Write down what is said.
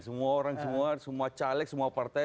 semua orang semua semua caleg semua partai